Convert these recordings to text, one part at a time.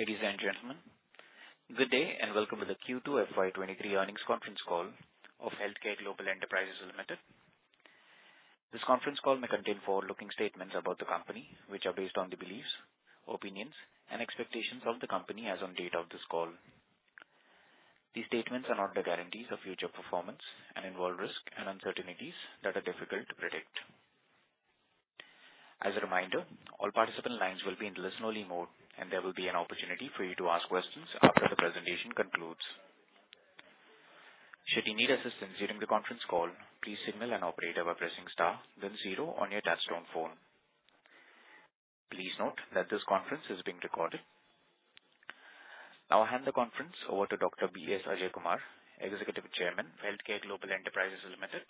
Ladies and gentlemen, good day and welcome to the Q2 FY23 earnings conference call of HealthCare Global Enterprises Limited. This conference call may contain forward-looking statements about the company, which are based on the beliefs, opinions and expectations of the company as on date of this call. These statements are not a guarantee of future performance and involve risks and uncertainties that are difficult to predict. As a reminder, all participant lines will be in listen-only mode and there will be an opportunity for you to ask questions after the presentation concludes. Should you need assistance during the conference call, please signal an operator by pressing star then zero on your touchtone phone. Please note that this conference is being recorded. I'll hand the conference over to Dr. B.S. Ajaikumar, Executive Chairman, HealthCare Global Enterprises Limited.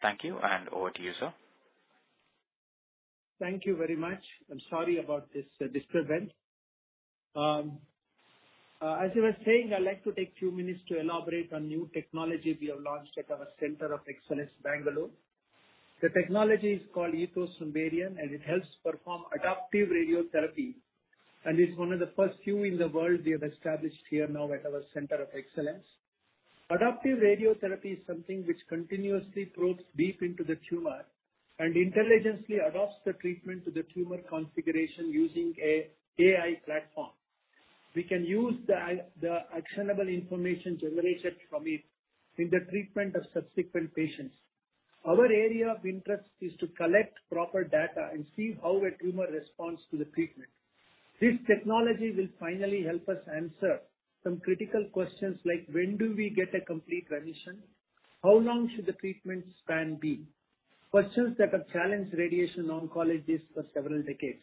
Thank you and over to you, sir. Thank you very much. I'm sorry about this disarray. As you were saying, I'd like to take few minutes to elaborate on new technology we have launched at our Center of Excellence, Bangalore. The technology is called Ethos from Varian, and it helps perform adaptive radiotherapy, and it's one of the first few in the world we have established here now at our center of excellence. Adaptive radiotherapy is something which continuously probes deep into the tumor and intelligently adapts the treatment to the tumor configuration using an AI platform. We can use the actionable information generated from it in the treatment of subsequent patients. Our area of interest is to collect proper data and see how a tumor responds to the treatment. This technology will finally help us answer some critical questions like when do we get a complete remission? How long should the treatment span be? Questions that have challenged radiation oncologists for several decades.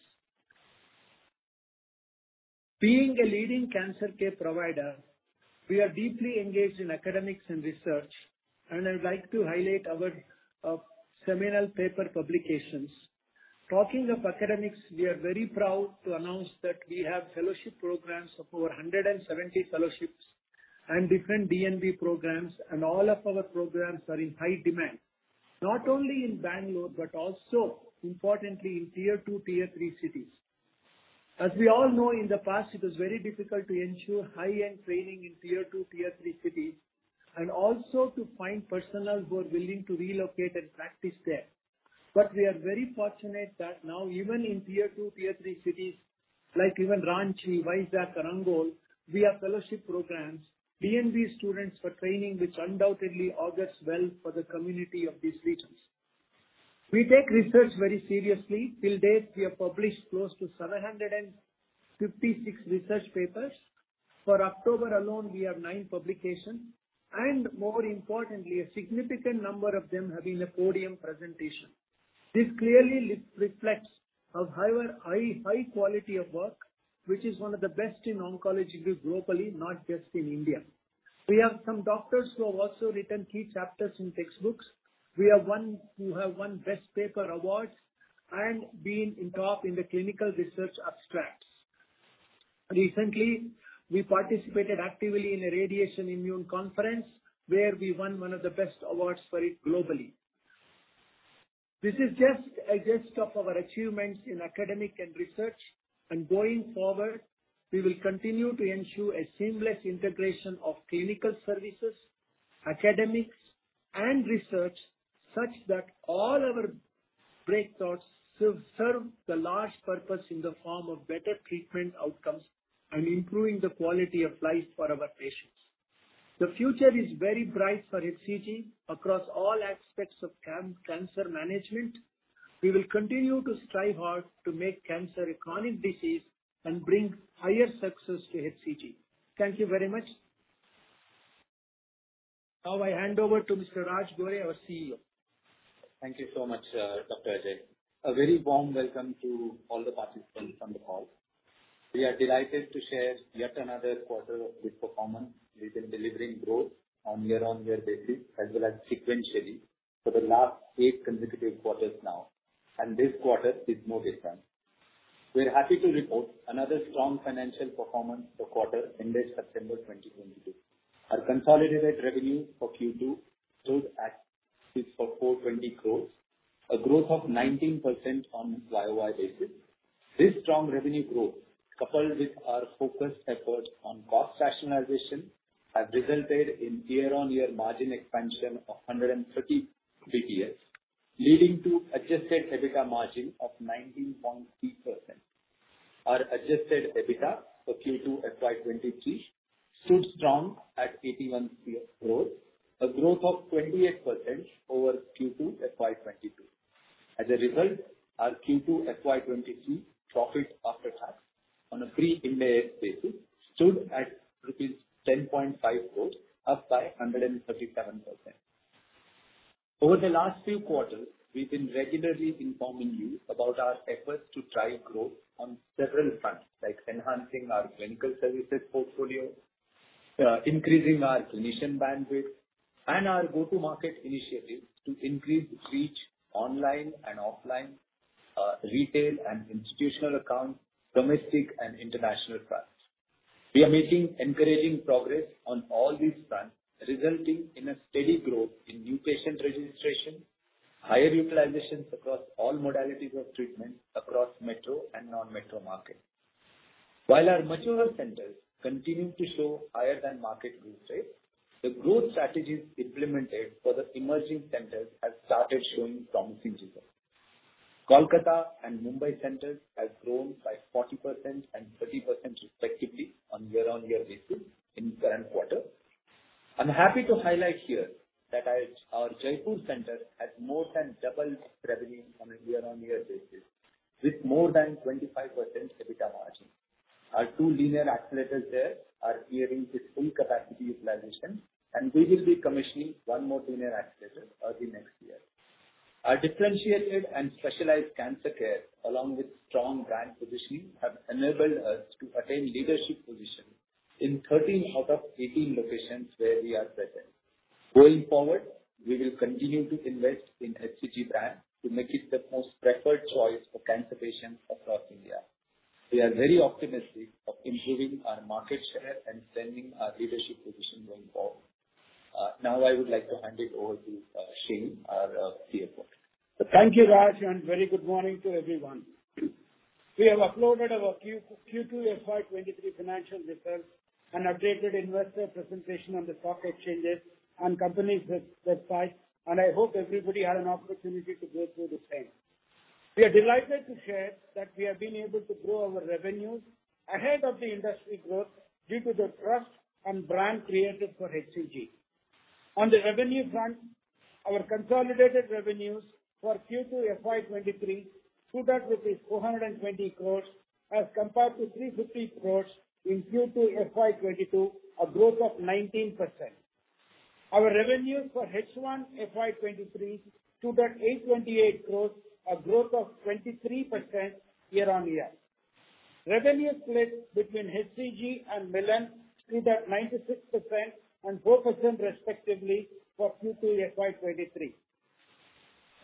Being a leading cancer care provider, we are deeply engaged in academics and research, and I would like to highlight our seminal paper publications. Talking of academics, we are very proud to announce that we have fellowship programs of over 170 fellowships and different DNB programs, and all of our programs are in high demand, not only in Bangalore but also importantly in tier two, tier three cities. As we all know, in the past it was very difficult to ensure high-end training in tier two, tier three cities and also to find personnel who are willing to relocate and practice there. We are very fortunate that now even in tier two, tier three cities like even Ranchi, Vizag, Aurangabad, we have fellowship programs, DNB students for training which undoubtedly augurs well for the community of these regions. We take research very seriously. To date, we have published close to 756 research papers. For October alone, we have nine publications and more importantly, a significant number of them have been a podium presentation. This clearly reflects our high quality of work, which is one of the best in oncology group globally, not just in India. We have some doctors who have also written key chapters in textbooks. We have won best paper awards and been involved in the clinical research abstracts. Recently, we participated actively in a radiation immune conference where we won one of the best awards for it globally. This is just a gist of our achievements in academics and research. Going forward, we will continue to ensure a seamless integration of clinical services, academics and research such that all our breakthroughs serve the large purpose in the form of better treatment outcomes and improving the quality of life for our patients. The future is very bright for HCG across all aspects of cancer management. We will continue to strive hard to make cancer a chronic disease and bring higher success to HCG. Thank you very much. Now I hand over to Mr. Raj Gore, our CEO. Thank you so much, Dr. Ajaikumar. A very warm welcome to all the participants on the call. We are delighted to share yet another quarter of good performance. We've been delivering growth on year-over-year basis as well as sequentially for the last eight consecutive quarters now, and this quarter is no different. We're happy to report another strong financial performance for quarter ended September 2022. Our consolidated revenue for Q2 stood at 442 crores, a growth of 19% on YOY basis. This strong revenue growth, coupled with our focused efforts on cost rationalization, have resulted in year-over-year margin expansion of 150 basis points, leading to adjusted EBITDA margin of 19.3%. Our adjusted EBITDA for Q2 FY 2023 stood strong at 81 crores, a growth of 28% over Q2 FY 2022. As a result, our Q2 FY 2023 profit after tax on a pre-income tax basis stood at rupees 10.5 crores, up by 137%. Over the last few quarters, we've been regularly informing you about our efforts to drive growth on several fronts, like enhancing our clinical services portfolio, increasing our clinician bandwidth and our go-to-market initiatives to increase reach online and offline, retail and institutional accounts, domestic and international fronts. We are making encouraging progress on all these fronts, resulting in a steady growth in new patient registrations. Higher utilizations across all modalities of treatment across metro and non-metro markets. While our mature centers continue to show higher than market growth rate, the growth strategies implemented for the emerging centers has started showing promising results. Kolkata and Mumbai centers has grown by 40% and 30% respectively on year-on-year basis in current quarter. I'm happy to highlight here that our Jaipur center has more than doubled its revenue on a year-on-year basis, with more than 25% EBITDA margin. Our two linear accelerators there are nearing to full capacity utilization, and we will be commissioning one more linear accelerator early next year. Our differentiated and specialized cancer care, along with strong brand positioning, have enabled us to attain leadership position in 13 locations out of 18 locations where we are present. Going forward, we will continue to invest in HCG brand to make it the most preferred choice for cancer patients across India. We are very optimistic of improving our market share and strengthening our leadership position going forward. Now I would like to hand it over to Srinivasa Raghavan, our CFO. Thank you, Raj, and very good morning to everyone. We have uploaded our Q2 FY 2023 financial results and updated investor presentation on the stock exchanges and company's website, and I hope everybody had an opportunity to go through the same. We are delighted to share that we have been able to grow our revenues ahead of the industry growth due to the trust and brand created for HCG. On the revenue front, our consolidated revenues for Q2 FY 2023 stood at 420 crore as compared to 350 crore in Q2 FY 2022, a growth of 19%. Our revenue for H1 FY 2023 stood at 828 crore, a growth of 23% year-on-year. Revenue split between HCG and Milann stood at 96% and 4% respectively for Q2 FY 2023.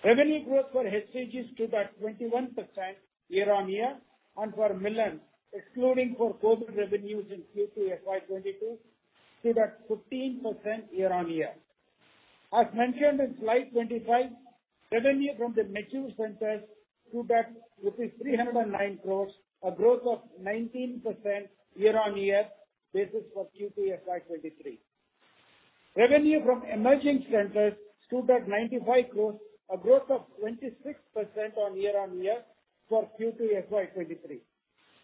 Revenue growth for HCG stood at 21% year-on-year, and for Milann, excluding for COVID revenues in Q2 FY 2022, stood at 15% year-on-year. As mentioned in slide 25, revenue from the mature centers stood at rupees 309 crores, a growth of 19% year-on-year basis for Q2 FY 2023. Revenue from emerging centers stood at 95 crores, a growth of 26% year-on-year for Q2 FY 2023.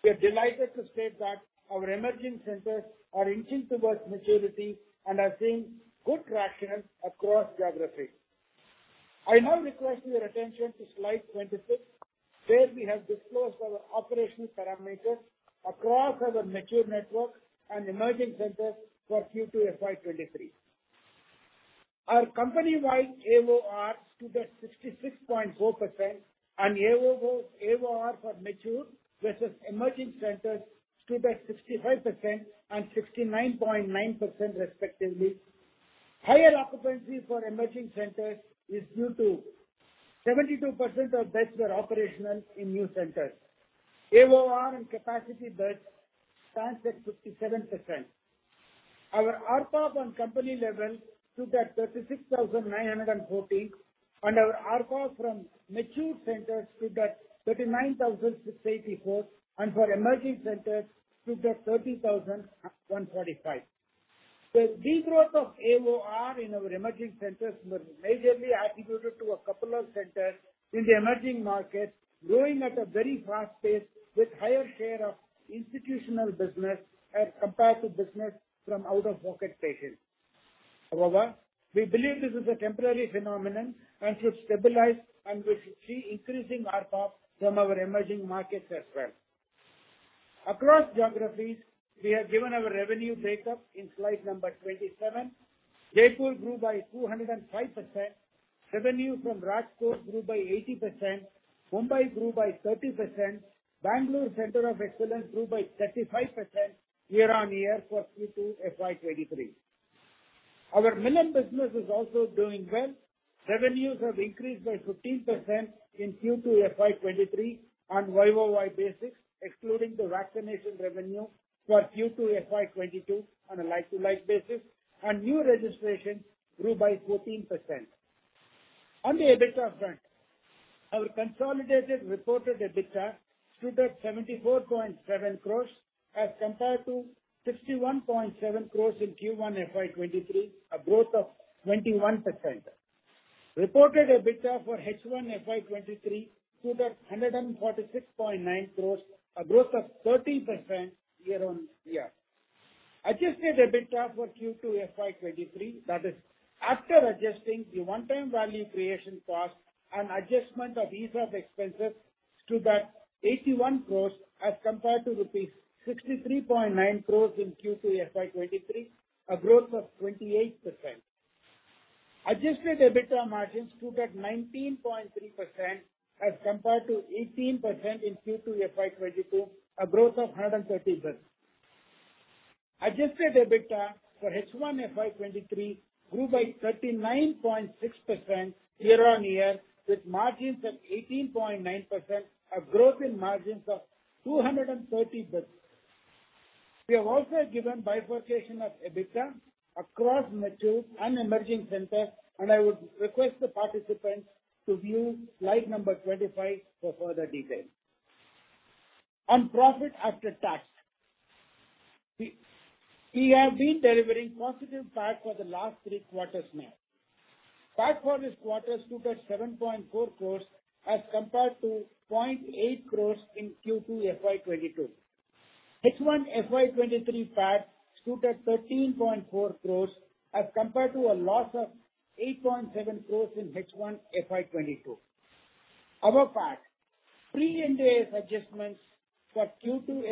We are delighted to state that our emerging centers are inching towards maturity and are seeing good traction across geographies. I now request your attention to slide 26, where we have disclosed our operational parameters across our mature network and emerging centers for Q2 FY 2023. Our company-wide AOR stood at 66.4% and AOR for mature versus emerging centers stood at 65% and 69.9% respectively. Higher occupancy for emerging centers is due to 72% of beds were operational in new centers. AOR and capacity beds stands at 57%. Our ARPOB on company level stood at 36,940, and our ARPOB from mature centers stood at 39,684, and for emerging centers stood at 30,145. The de-growth of AOR in our emerging centers were majorly attributed to a couple of centers in the emerging markets growing at a very fast pace with higher share of institutional business as compared to business from out-of-pocket patients. However, we believe this is a temporary phenomenon and should stabilize, and we should see increasing ARPOB from our emerging markets as well. Across geographies, we have given our revenue breakup in slide number 27. Jaipur grew by 205%. Revenue from Rajkot grew by 80%. Mumbai grew by 30%. Bangalore Center of Excellence grew by 35% year-on-year for Q2 FY 2023. Our Milann business is also doing well. Revenues have increased by 15% in Q2 FY 2023 on YOY basis, excluding the vaccination revenue for Q2 FY 2022 on a like-for-like basis, and new registrations grew by 14%. On the EBITDA front, our consolidated reported EBITDA stood at 74.7 crores as compared to 61.7 crores in Q1 FY 2023, a growth of 21%. Reported EBITDA for H1 FY 2023 stood at INR 146.9 crores, a growth of 30% year-on-year. Adjusted EBITDA for Q2 FY 2023, that is after adjusting the one-time value creation cost and adjustment of ESOP expenses stood at 81 crores as compared to rupees 63.9 crores in Q2 FY 2023, a of 28%. Adjusted EBITDA margins stood at 19.3% as compared to 18% in Q2 FY 2022, a growth of 130 basis. Adjusted EBITDA for H1 FY 2023 grew by 39.6% year-on-year with margins of 18.9%, a growth in margins of 230 basis. We have also given bifurcation of EBITDA across mature and emerging centers, and I would request the participants to view slide number 25 for further detail. On profit after tax, we have been delivering positive PAT for the last thee quarters now. PAT for this quarter stood at 7.4 crore as compared to 0.8 crore in Q2 FY 2022. H1 FY 2023 PAT stood at 13.4 crore as compared to a loss of 8.7 crore in H1 FY 2022. Our PAT pre-Ind AS adjustments for Q2 FY 2023 stood at 10.5 crores as compared to 4.4 crores in Q2 FY 2022. As for H1 FY 2023, pre-Ind AS adjusted stood at 19.7 crores as compared to a loss of 1.5 crores in H1 FY 2022.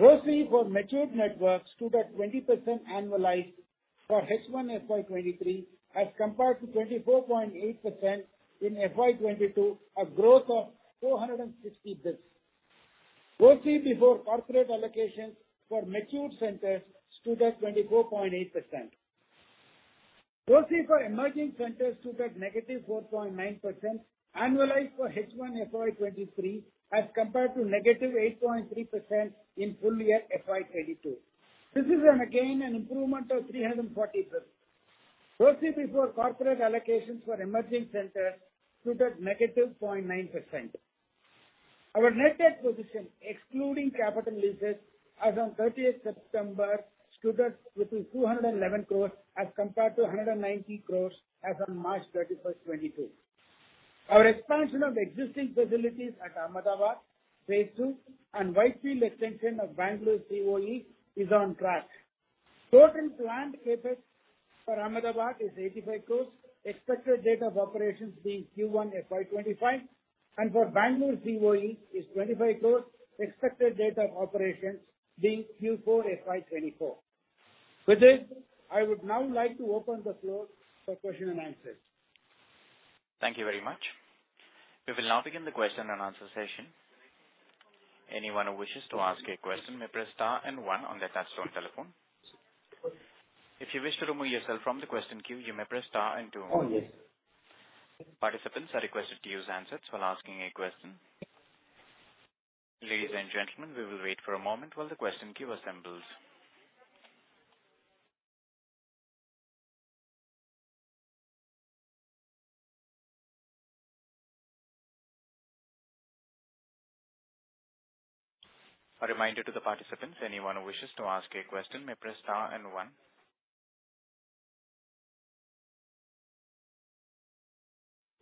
ROCE for matured networks stood at 20% annualized for H1 FY 2023 as compared to 24.8% in FY 2022, a growth of 460 basis points. ROCE before corporate allocations for matured centers stood at 24.8%. ROCE for emerging centers stood at -4.9%, annualized for H1 FY 2023 as compared to -8.3% in full year FY 2022. This is again an improvement of 340 basis points. ROCE before corporate allocations for emerging centers stood at -0.9%. Our net debt position excluding capital leases as on 30 September stood at 211 crores as compared to 190 crores as on 31 March 2022. Our expansion of existing facilities at Ahmedabad, phase II and Whitefield extension of Bangalore COE is on track. Total planned CapEx for Ahmedabad is 85 crores. Expected date of operations being Q1 FY 2025, and for Bangalore COE is 25 crores. Expected date of operations being Q4 FY 2024. With this, I would now like to open the floor for question and answer. Thank you very much. We will now begin the question and answer session. Anyone who wishes to ask a question may press star and one on their touchtone telephone. If you wish to remove yourself from the question queue, you may press star and two. Oh, yes. Participants are requested to use handsets while asking a question. Ladies and gentlemen, we will wait for a moment while the question queue assembles. A reminder to the participants, anyone who wishes to ask a question may press star and one.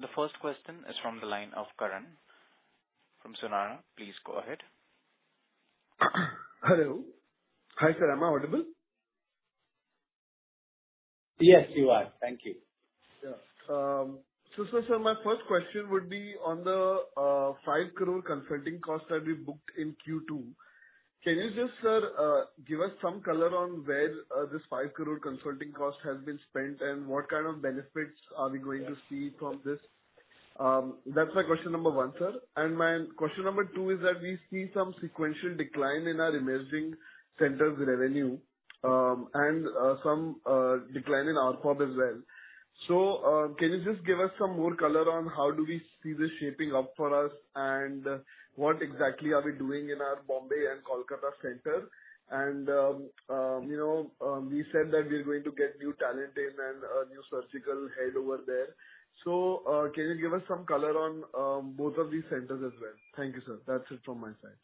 The first question is from the line of Karan from Sunara. Please go ahead. Hello. Hi, sir. Am I audible? Yes, you are. Thank you. Sir, my first question would be on the 5 crore consulting cost that we booked in Q2. Can you just, sir, give us some color on where this 5 crore consulting cost has been spent and what kind of benefits are we going to see from this? That's my question number one, sir. My question number two is that we see some sequential decline in our emerging centers revenue, and some decline in ARPOB as well. Can you just give us some more color on how do we see this shaping up for us and what exactly are we doing in our Bombay and Kolkata center? You know, we said that we're going to get new talent in and a new surgical head over there. Can you give us some color on both of these centers as well? Thank you, sir. That's it from my side.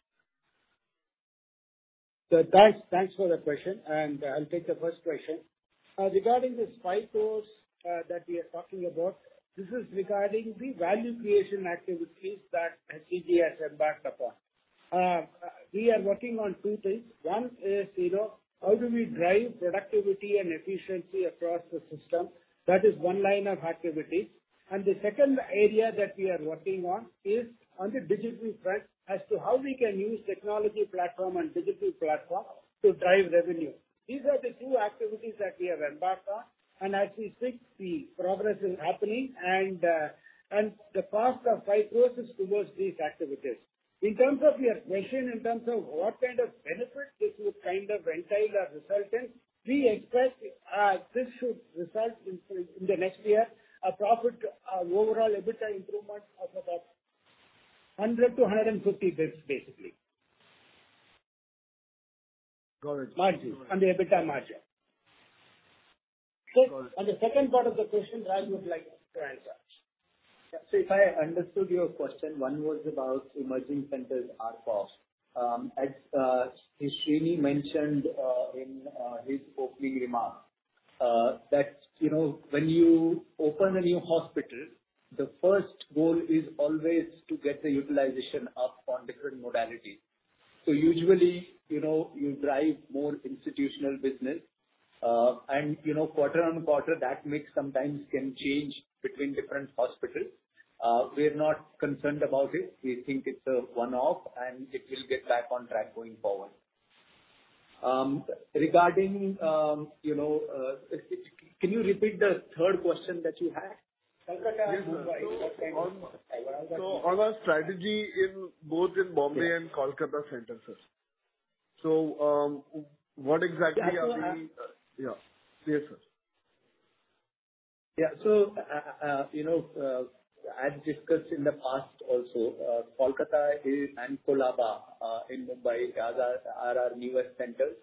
Thanks for the question, and I'll take the first question. Regarding this 5 crore that we are talking about, this is regarding the value creation activities that HCG has embarked upon. We are working on two things. One is, you know, how do we drive productivity and efficiency across the system. That is one line of activities. The second area that we are working on is on the digital front as to how we can use technology platform and digital platform to drive revenue. These are the two activities that we have embarked on. As we speak, the progress is happening, and the part of INR 5 crore is towards these activities. In terms of your question, what kind of benefit this would kind of entail or result in, we expect this should result in the next year, profitability overall EBITDA improvement of about 100 basis points-150 basis points, basically. Got it. Margin. On the EBITDA margin. Got it. On the second part of the question, Raj would like to answer. If I understood your question, one was about emerging centers ARPOB. Srinivasa mentioned in his opening remarks that you know when you open a new hospital, the first goal is always to get the utilization up on different modalities. Usually you know you drive more institutional business. You know quarter on quarter that mix sometimes can change between different hospitals. We're not concerned about it. We think it's a one-off, and it will get back on track going forward. Regarding you know can you repeat the third question that you had? On our strategy in both Mumbai and Kolkata centers, sir. Yeah. Yes, sir. You know, I've discussed in the past also, Kolkata and Colaba in Mumbai are our newest centers.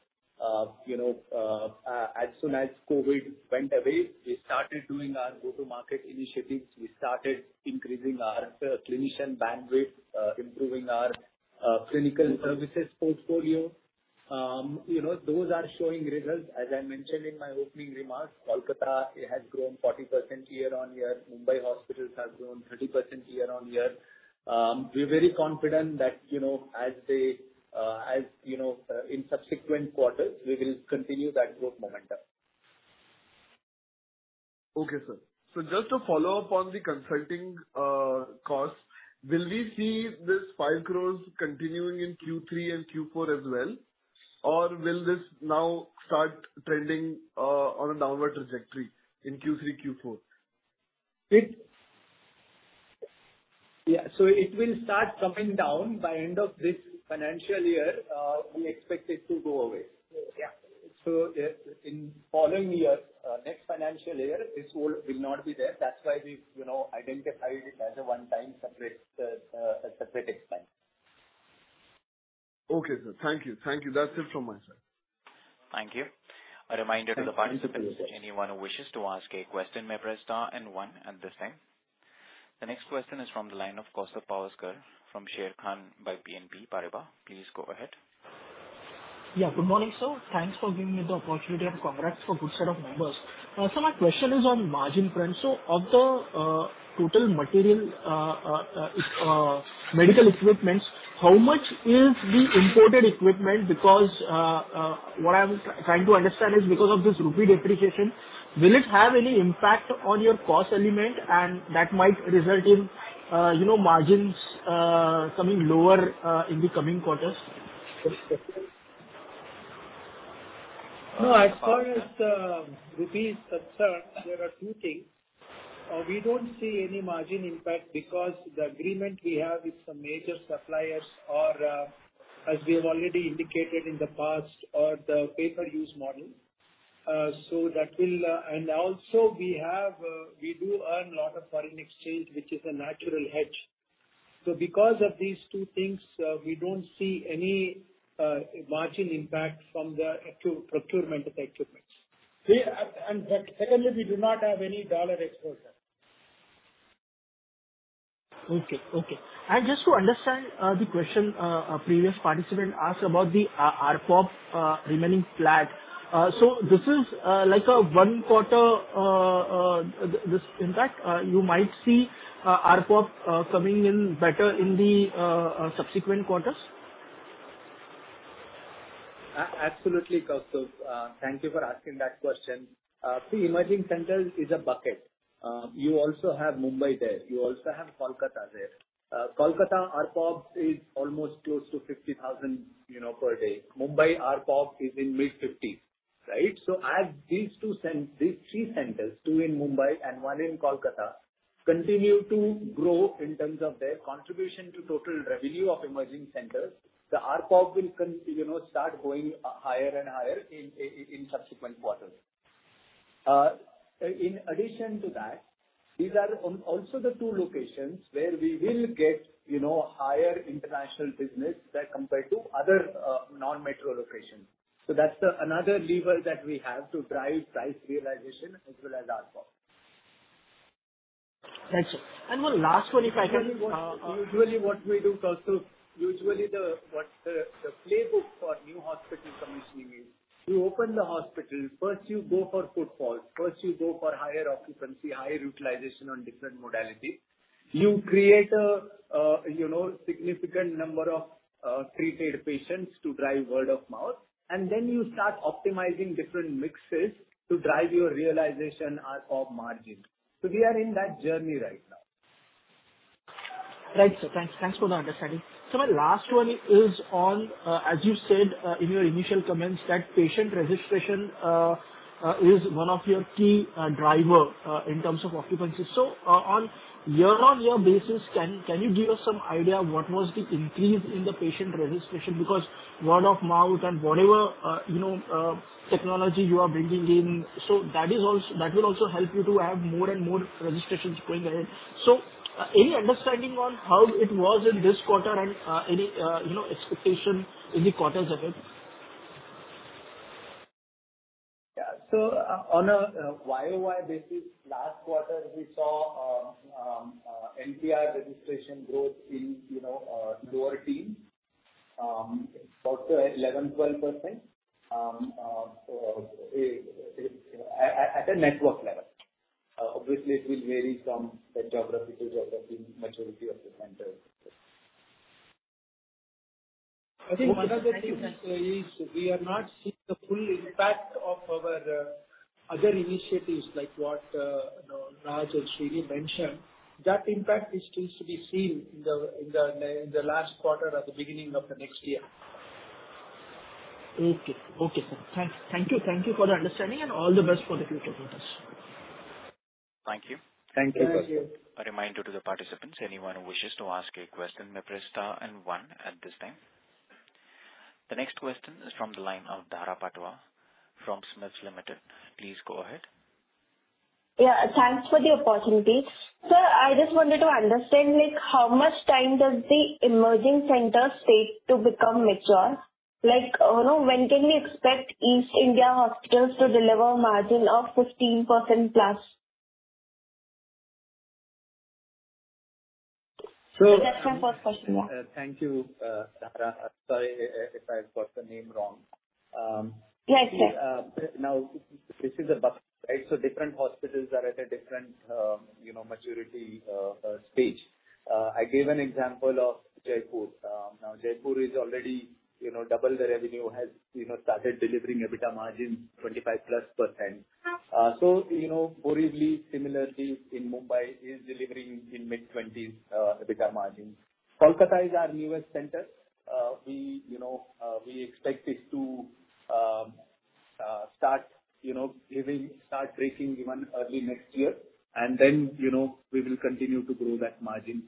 You know, as soon as COVID went away, we started doing our go-to-market initiatives. We started increasing our clinician bandwidth, improving our clinical services portfolio. You know, those are showing results. As I mentioned in my opening remarks, Kolkata has grown 40% year-on-year. Mumbai hospitals have grown 30% year-on-year. We're very confident that, you know, as they, as you know, in subsequent quarters, we will continue that growth momentum. Okay, sir. Just to follow up on the consulting costs, will we see this 5 crore continuing in Q3 and Q4 as well, or will this now start trending on a downward trajectory in Q3, Q4? It will start coming down. By end of this financial year, we expect it to go away. In following year, next financial year, this will not be there. That's why we, you know, identified it as a one-time separate expense. Okay, sir. Thank you. Thank you. That's it from my side. Thank you. A reminder to the participants that anyone who wishes to ask a question may press star and one at this time. The next question is from the line of Kaustubh Pawaskar from Sharekhan by BNP Paribas. Please go ahead. Yeah, good morning, sir. Thanks for giving me the opportunity and congrats for good set of numbers. My question is on margin front. Of the total CapEx, medical equipment, how much is the imported equipment? Because what I'm trying to understand is because of this rupee depreciation, will it have any impact on your cost element and that might result in you know, margins coming lower in the coming quarters? No, as far as the rupee is concerned, there are two things. We don't see any margin impact because the agreement we have with some major suppliers are, as we have already indicated in the past, the pay per use model. We also have, we do earn a lot of foreign exchange, which is a natural hedge. Because of these two things, we don't see any margin impact from the acquisition/procurement of equipment. Secondly, we do not have any dollar exposure. Okay. Just to understand the question, a previous participant asked about the ARPOB remaining flat. This is like a one quarter this impact. You might see ARPOB coming in better in the subsequent quarters? Absolutely, Kaustubh. Thank you for asking that question. See, emerging centers is a bucket. You also have Mumbai there. You also have Kolkata there. Kolkata ARPOB is almost close to 50,000, you know, per day. Mumbai ARPOB is in mid-50,000s, right? As these two centers, these three centers, two in Mumbai and one in Kolkata, continue to grow in terms of their contribution to total revenue of emerging centers, the ARPOB will, you know, start going higher and higher in subsequent quarters. In addition to that, these are also the two locations where we will get, you know, higher international business there compared to other non-metro locations. That's another lever that we have to drive price realization as well as ARPOB. Thanks. One last one, if I can. Usually what we do, Kaustubh, usually the playbook for new hospital commissioning is you open the hospital, first you go for footfalls, first you go for higher occupancy, higher utilization on different modalities. You create a you know significant number of treated patients to drive word of mouth, and then you start optimizing different mixes to drive your realization ARPOB margin. We are in that journey right now. Right, sir. Thanks for the understanding. My last one is on, as you said, in your initial comments, that patient registration is one of your key driver in terms of occupancy. On year-on-year basis, can you give us some idea what was the increase in the patient registration? Because word of mouth and whatever, you know, technology you are bringing in. That will also help you to have more and more registrations going ahead. Any understanding on how it was in this quarter and, any, you know, expectation in the quarters ahead? On a YOY basis, last quarter we saw NPR registration growth in lower teens, close to 11%, 12%. At a network level, obviously it will vary from the geographies of the majority of the centers. I think another thing is we are not seeing the full impact of our. Other initiatives like what, you know, Raj and Srinivasa mentioned, that impact is still to be seen in the last quarter or the beginning of the next year. Okay, sir. Thank you for the understanding and all the best for the future with us. Thank you. Thank you. Thank you. A reminder to the participants, anyone who wishes to ask a question, may press star and 1 at this time. The next question is from the line of Dhara Patwa from SMIFS Limited. Please go ahead. Yeah. Thanks for the opportunity. Sir, I just wanted to understand, like how much time does the emerging centers take to become mature? Like, you know, when can we expect East India Hospitals to deliver margin of 15%+? So- That's my first question. Thank you, Dhara. Sorry if I got the name wrong. Yes, yes. Now this is a bucket, right? Different hospitals are at a different, you know, maturity stage. I gave an example of Jaipur. Now Jaipur is already, you know, double the revenue, has, you know, started delivering EBITDA margin 25%+. Borivali similarly in Mumbai is delivering in mid-20s% EBITDA margin. Kolkata is our newest center. We, you know, expect it to start breaking even early next year and then, you know, we will continue to grow that margin.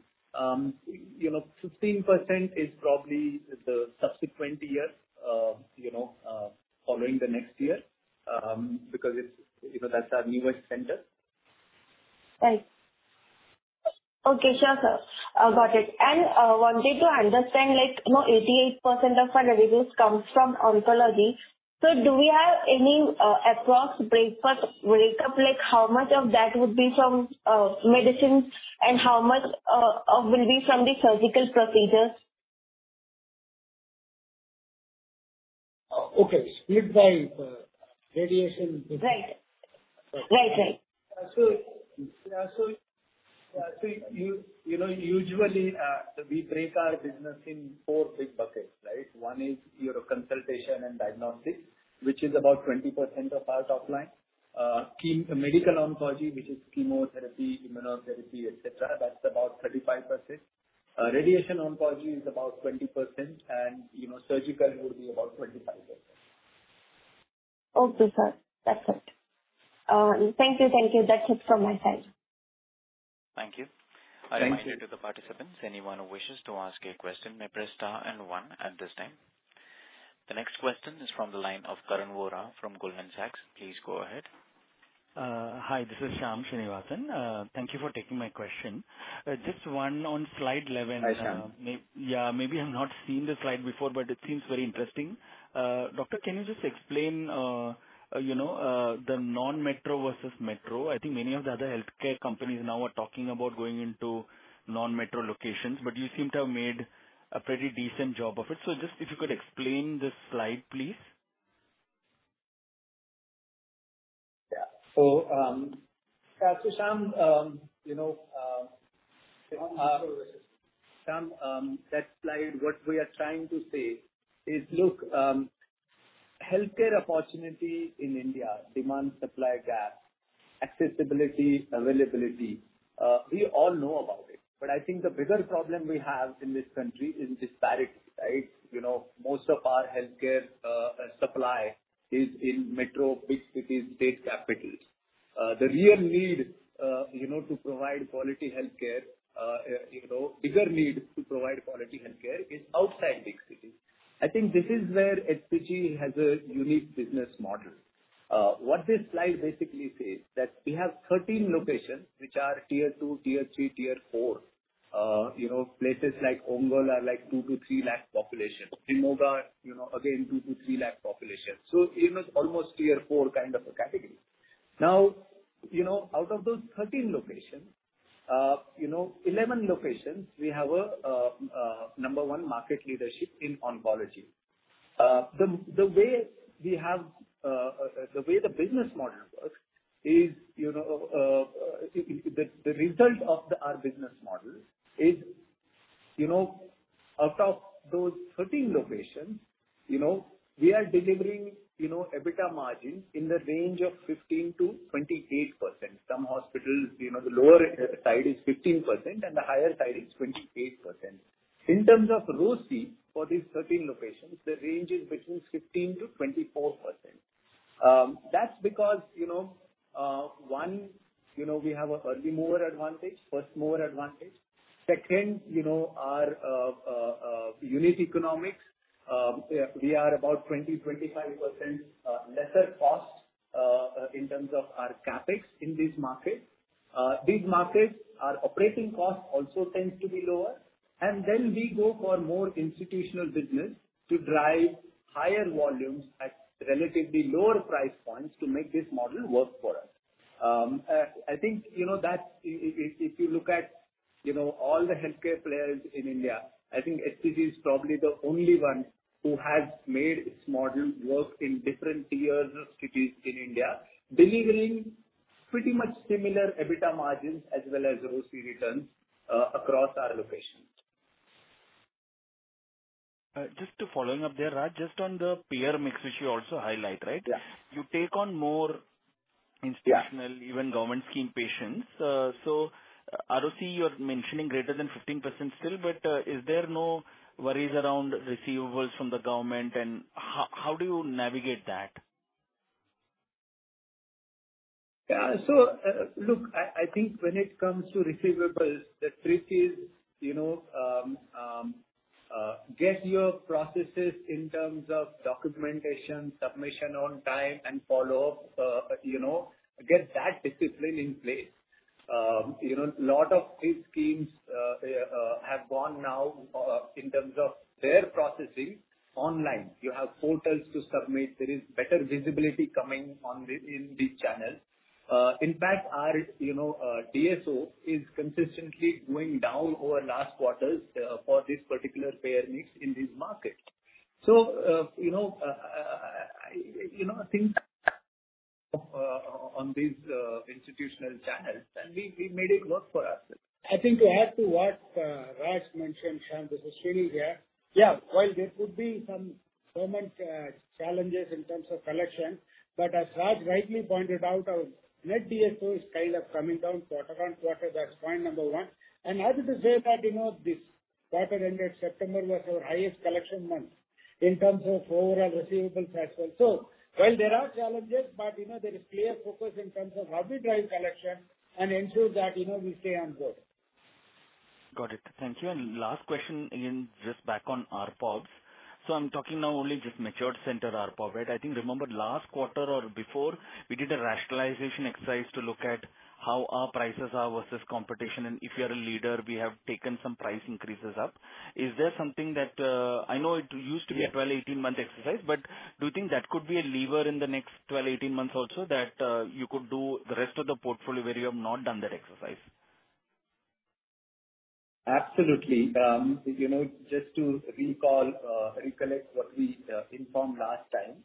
You know, 15% is probably the subsequent year, you know, following the next year, because that's our newest center. Right. Okay. Sure, sir. I got it. Wanted to understand like, you know, 88% of our revenues comes from oncology. Do we have any approx breakup, like how much of that would be from medicines and how much will be from the surgical procedures? Okay. Split by radiation- Right. You know, usually we break our business in four big buckets, right? one is your consultation and diagnostic, which is about 20% of our top line. Medical oncology, which is chemotherapy, immunotherapy, et cetera, that's about 35%. Radiation oncology is about 20% and, you know, surgical would be about 25%. Okay, sir. That's it. Thank you. Thank you. That's it from my side. Thank you. Thank you. A reminder to the participants, anyone who wishes to ask a question, may press Star and One at this time. The next question is from the line of Shyam Srinivasan from Goldman Sachs. Please go ahead. Hi, this is Shyam Srinivasan. Thank you for taking my question. Just one on Slide 11. Hi, Shyam. Yeah. Maybe I've not seen the slide before, but it seems very interesting. Doctor, can you just explain, you know, the non-metro versus metro? I think many of the other healthcare companies now are talking about going into non-metro locations, but you seem to have made a pretty decent job of it. Just if you could explain this slide, please. Yeah. Shyam, you know, that slide, what we are trying to say is, look, healthcare opportunity in India demands supply gap, accessibility, availability, we all know about it. I think the bigger problem we have in this country is disparity, right? You know, most of our healthcare supply is in metro big cities, state capitals. The real need, you know, to provide quality healthcare, you know, bigger need to provide quality healthcare is outside big cities. I think this is where HCG has a unique business model. What this slide basically says that we have 13 locations which are tier two, tier three, tier four. You know, places like Ongole are like 2 lakh-3 lakh population. Ranchi, you know, again, 2 lakh-3 lakh population. In an almost tier four kind of a category. You know, out of those 13 locations, you know, 11 locations we have a number one market leadership in oncology. The way we have the way the business model works is, you know, the result of our business model is, you know, out of those 13 locations, you know, we are delivering, you know, EBITDA margin in the range of 15%-28%. Some hospitals, you know, the lower side is 15% and the higher side is 28%. In terms of ROCE for these 13 locations, the range is between 15%-24%. That's because, you know, one, you know, we have a early mover advantage, first mover advantage. Second, you know, our unit economics, we are about 20%-25% lesser cost in terms of our CapEx in these markets. These markets, our operating costs also tends to be lower. Then we go for more institutional business to drive higher volumes at relatively lower price points to make this model work for us. I think you know that if you look at, you know, all the healthcare players in India, I think HCG is probably the only one who has made its model work in different tiers of cities in India, delivering pretty much similar EBITDA margins as well as ROCE returns across our locations. Just to follow up there, Raj, just on the payer mix which you also highlight, right? Yes. You take on more institutional. Yeah. Even government scheme patients. ROCE you're mentioning greater than 15% still, but is there no worries around receivables from the government and how do you navigate that? Look, I think when it comes to receivables, the trick is, you know, get your processes in terms of documentation, submission on time and follow-up. Get that discipline in place. A lot of these schemes have gone now in terms of their processing online. You have portals to submit. There is better visibility coming on these channels. In fact, our DSO is consistently going down over last quarters for this particular payer mix in this market. I think on these institutional channels and we made it work for ourselves. I think to add to what Raj mentioned, Shyam, this is Srinivasa here. Yeah, while there could be some government challenges in terms of collection, but as Raj rightly pointed out, our net DSO is kind of coming down quarter-on-quarter. That's point number one. Happy to say that, you know, this quarter ended September was our highest collection month in terms of overall receivables as well. While there are challenges, but you know, there is clear focus in terms of how we drive collection and ensure that, you know, we stay on board. Got it. Thank you. Last question, again, just back on ARPOBs. I'm talking now only just matured center ARPOBs, right? I think remember last quarter or before we did a rationalization exercise to look at how our prices are versus competition. If you're a leader, we have taken some price increases up. Is there something that, I know it used to be. Yeah. A 12 month-18 month exercise, but do you think that could be a lever in the next 12 month-18 months also that you could do the rest of the portfolio where you have not done that exercise? Absolutely. You know, just to recollect what we informed last time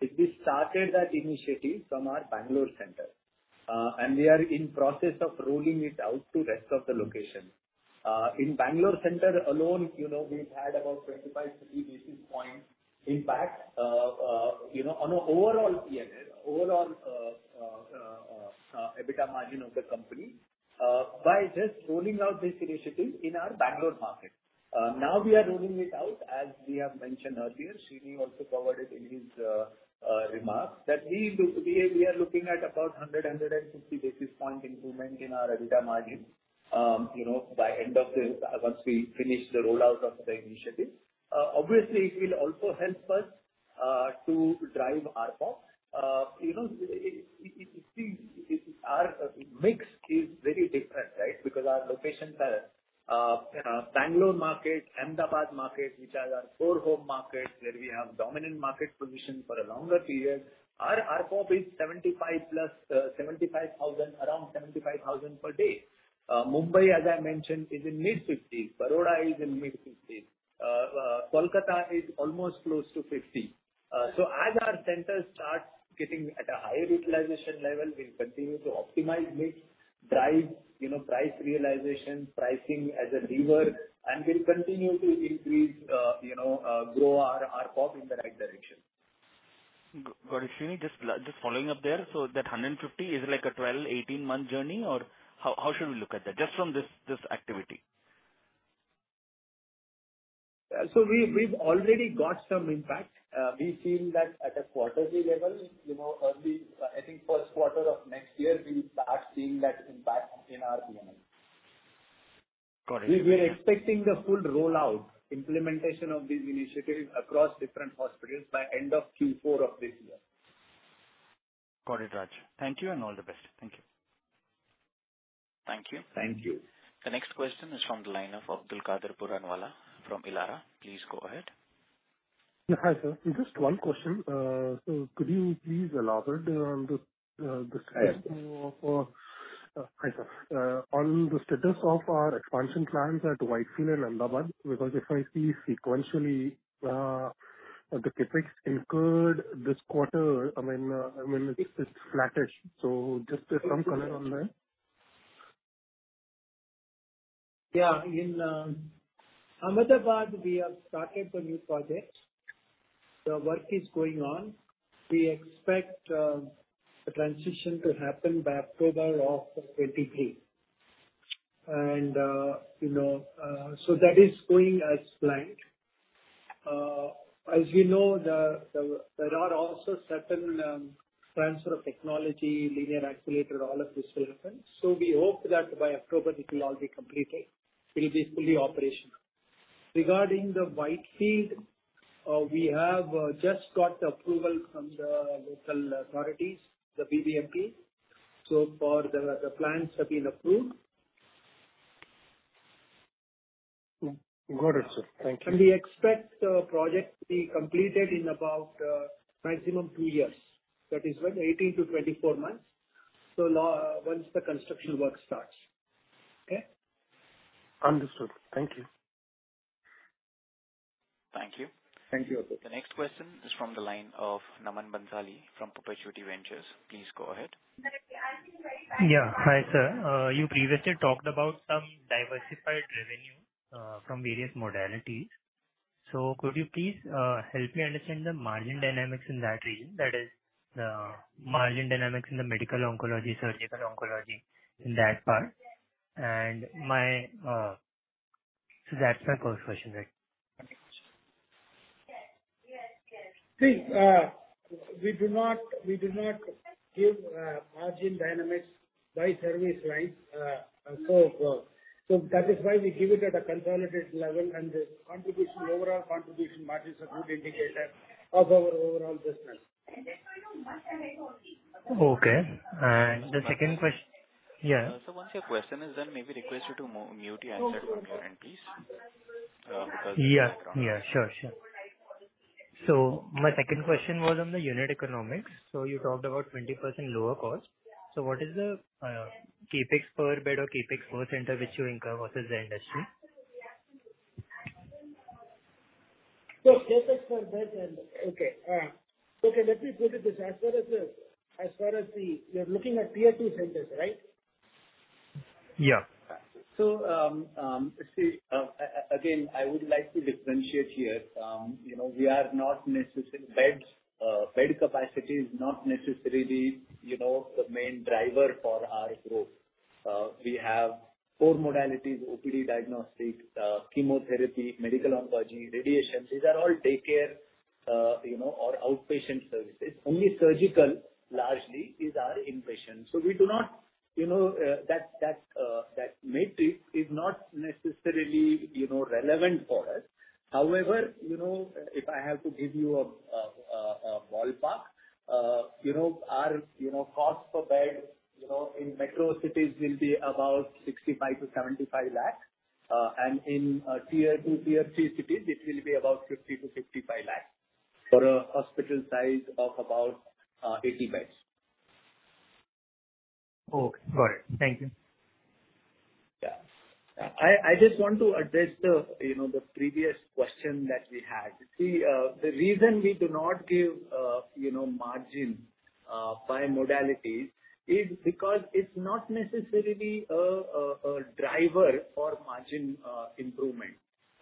is we started that initiative from our Bangalore center. We are in process of rolling it out to rest of the locations. In Bangalore center alone, you know, we've had about 25 basis points-30 basis points impact, you know, on overall P&L, overall EBITDA margin of the company, by just rolling out this initiative in our Bangalore market. Now we are rolling it out as we have mentioned earlier. Srinivasa also covered it in his remarks that we are looking at about 150 basis point improvement in our EBITDA margin, you know, by end of this once we finish the rollout of the initiative. Obviously it will also help us to drive RPoP. You know, our mix is very different, right? Because our locations are, you know, Bangalore market, Ahmedabad market, which are our core home markets, where we have dominant market position for a longer period. Our RPoP is 75+, 75,000, around 75,000 per day. Mumbai, as I mentioned, is in mid-50s. Baroda is in mid-50s. Kolkata is almost close to 50. As our centers starts getting at a higher utilization level, we'll continue to optimize mix, drive, you know, price realization, pricing as a lever, and we'll continue to increase, you know, grow our RPoP in the right direction. Got it. Srini, just following up there. That 150 is like a 12 month-18 month journey or how should we look at that just from this activity? We've already got some impact. We've seen that at a quarterly level. You know, early, I think first quarter of next year we'll start seeing that impact in our P&L. Got it. We've been expecting the full rollout implementation of these initiatives across different hospitals by end of Q4 of this year. Got it, Raj. Thank you and all the best. Thank you. Thank you. Thank you. The next question is from the line of Abdulkader Puranwala from Elara. Please go ahead. Hi, sir. Just one question. Could you please elaborate on the status of our expansion plans at Whitefield and Ahmedabad, because if I see sequentially, the CapEx incurred this quarter, I mean, it's flattened. Just some comment on that. Yeah. In Ahmedabad we have started the new project. The work is going on. We expect the transition to happen by October 2023. You know, that is going as planned. As you know, there are also certain transfer of technology, linear accelerator, all of these equipment. We hope that by October it will all be completed. It will be fully operational. Regarding Whitefield, we have just got the approval from the local authorities, the BBMP. The plans have been approved. Got it, sir. Thank you. We expect the project to be completed in about maximum two years. That is when 18 months-24 months. Once the construction work starts. Okay? Understood. Thank you. Thank you. Thank you. The next question is from the line of Naman Bansali from Perpetuity Ventures. Please go ahead. Yeah. Hi, sir. You previously talked about some diversified revenue from various modalities. Could you please help me understand the margin dynamics in that region? That is the margin dynamics in the medical oncology, surgical oncology in that part. That's my first question, right. See, we do not give margin dynamics by service line. That is why we give it at a consolidated level and the overall contribution margin is a good indicator of our overall business. Okay. Yeah. Sir, once your question is done, may we request you to mute your line for clarity, please, because of the background noise. Yeah, sure. My second question was on the unit economics. You talked about 20% lower cost. What is the CapEx per bed or CapEx per center which you incur versus the industry? Okay, let me put it this, as far as the, you're looking at tier two centers, right? Yeah. I would like to differentiate here. You know, bed capacity is not necessarily the main driver for our growth. We have four modalities OPD, diagnostic, chemotherapy, medical oncology, radiation. These are all take care or outpatient services. Only surgical largely is our inpatient. We do not, you know, that matrix is not necessarily, you know, relevant for us. However, you know, if I have to give you a ballpark, you know, our cost per bed, you know, in metro cities will be about 65 lakh-75 lakh. And in tier two, tier three cities it will be about 50 lakh- 55 lakh for a hospital size of about 80 beds. Okay. Got it. Thank you. Yeah. I just want to address the, you know, the previous question that we had. See, the reason we do not give, you know, margin by modalities is because it's not necessarily a driver for margin improvement.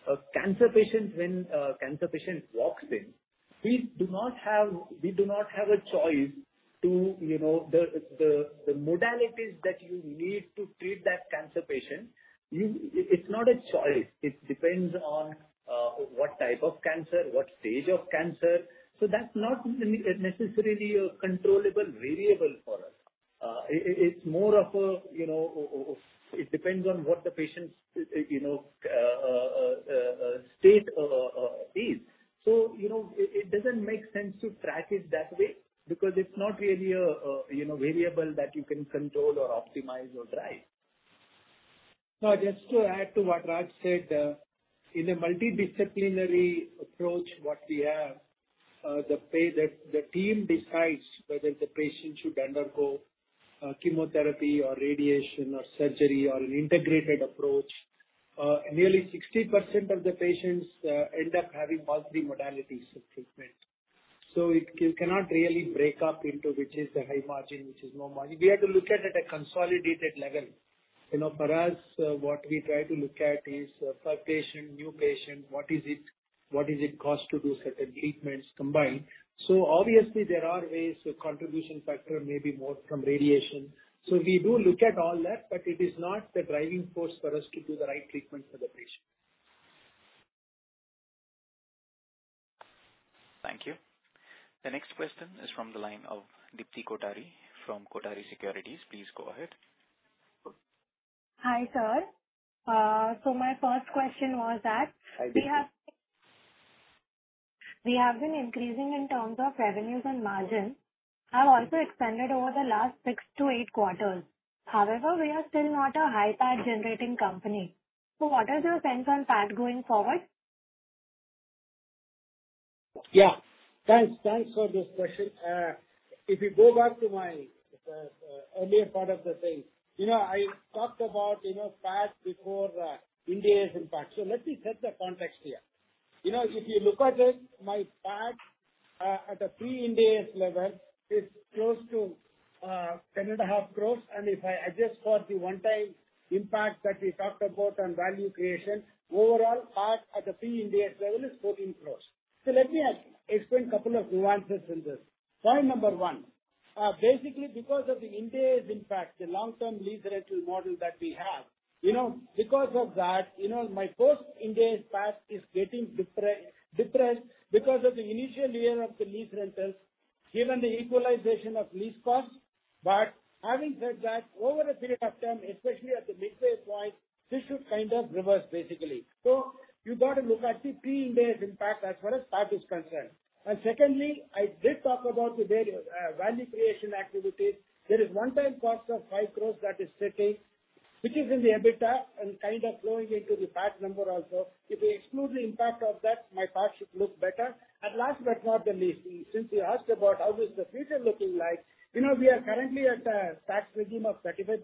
When cancer patient walks in, we do not have a choice, you know. The modalities that you need to treat that cancer patient, it's not a choice. It depends on what type of cancer, what stage of cancer. So that's not necessarily a controllable variable for us. It's more of a, you know, it depends on what the patient's state is. You know, it doesn't make sense to track it that way because it's not really a you know, variable that you can control or optimize or drive. No, just to add to what Raj said, in a multidisciplinary approach what we have is the way that the team decides whether the patient should undergo chemotherapy or radiation or surgery or an integrated approach. Nearly 60% of the patients end up having multiple modalities of treatment. You cannot really break up into which is the high margin, which is no margin. We have to look at it at a consolidated level. You know, for us, what we try to look at is per new patient, what is the cost to do certain treatments combined. So obviously there are ways the contribution factor may be more from radiation. So we do look at all that, but it is not the driving force for us to do the right treatment for the patient. Thank you. The next question is from the line of Dipti Kothari from Kothari Securities. Please go ahead. Hi, sir. My first question was that. Hi, Dipti. We have been increasing in terms of revenues and margin have also extended over the last six quarters-eight quarters. However, we are still not a high PAT generating company. What is your sense on PAT going forward? Yeah. Thanks for this question. If you go back to my earlier part of the thing. You know, I talked about, you know, PAT before Ind AS impact. Let me set the context here. You know, if you look at it, my PAT at a pre-Ind AS level is close to 10.5 crores. And if I adjust for the one time impact that we talked about on value creation, overall PAT at the pre-Ind AS level is 14 crores. Let me explain couple of nuances in this. Point number one, basically because of the Ind AS impact, the long term lease rental model that we have, you know, because of that, you know, my post-Ind AS PAT is getting depressed because of the initial year of the lease rentals, given the equalization of lease costs. Having said that, over a period of time, especially at the midway point, this should kind of reverse basically. You got to look at the pre-Ind AS impact as far as PAT is concerned. Secondly, I did talk about the value creation activities. There is one-time cost of 5 crore that is sitting, which is in the EBITDA and kind of flowing into the PAT number also. If we exclude the impact of that, my PAT should look better. Last but not the least, since you asked about how is the future looking like, you know, we are currently at a tax regime of 35%.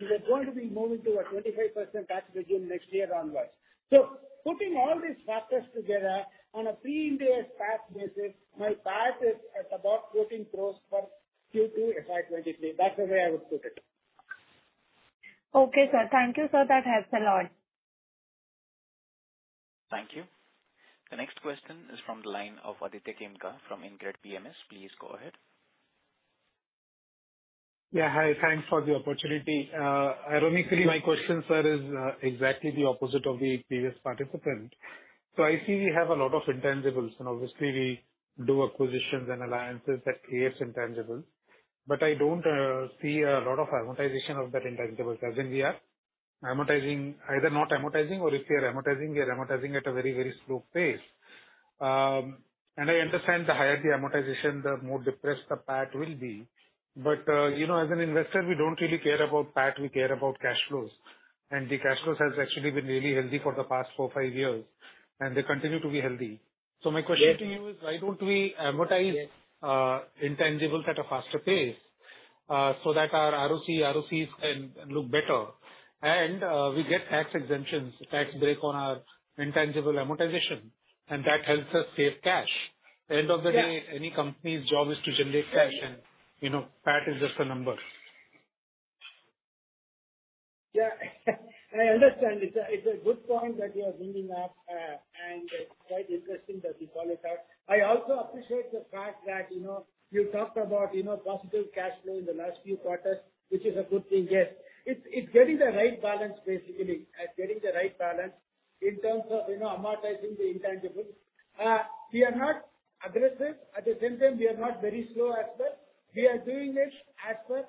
We are going to be moving to a 25% tax regime next year onwards. Putting all these factors together on a pre-Ind AS tax basis, my PAT is at about 14% growth for Q2 FY 2023. That's the way I would put it. Okay, sir. Thank you, sir. That helps a lot. Thank you. The next question is from the line of Aditya Khemka from InCred PMS. Please go ahead. Yeah. Hi. Thanks for the opportunity. Ironically, my question, sir, is exactly the opposite of the previous participant. I see we have a lot of intangibles, and obviously we do acquisitions and alliances that creates intangibles. But I don't see a lot of amortization of that intangibles. Either not amortizing or if we are amortizing, we are amortizing at a very, very slow pace. I understand the higher the amortization, the more depressed the PAT will be. But you know, as an investor, we don't really care about PAT. We care about cash flows. The cash flows has actually been really healthy for the past four years, five years, and they continue to be healthy. My question to you is why don't we amortize intangibles at a faster pace so that our ROCE can look better and we get tax exemptions, tax break on our intangible amortization, and that helps us save cash. Yeah. Any company's job is to generate cash and, you know, PAT is just a number. Yeah, I understand. It's a good point that you are bringing up. It's quite interesting that you call it out. I also appreciate the fact that, you know, you talked about, you know, positive cash flow in the last few quarters, which is a good thing. Yes. It's getting the right balance, basically. Getting the right balance in terms of, you know, amortizing the intangibles. We are not aggressive. At the same time, we are not very slow as well. We are doing it as per